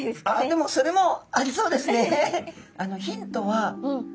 でもそれもありそうですね。